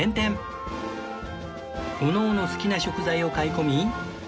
各々好きな食材を買い込み